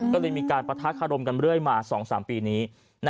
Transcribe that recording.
ก็เลยมีการปะทะคารมกันเรื่อยมา๒๓ปีนี้